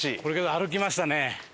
歩きましたね。